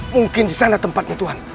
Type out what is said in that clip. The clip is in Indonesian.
mungkin di sana tempatnya tuhan